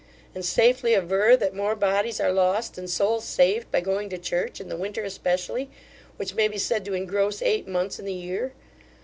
and safely aver, that more bodies are lost, than souls saved, by going to church, in the winter especially, which may be said to engross eight months in the year.